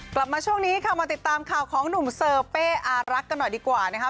กลับมาช่วงนี้ค่ะมาติดตามข่าวของหนุ่มเซอร์เป้อารักกันหน่อยดีกว่านะคะ